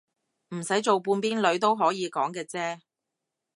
唔使做半邊女都可以講嘅啫